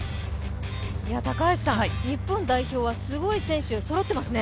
日本代表はすごい選手、そろっていますね。